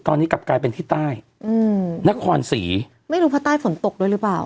ตอนนี้กลับกลายเป็นที่ใต้อืมนครศรีไม่รู้ภาคใต้ฝนตกด้วยหรือเปล่า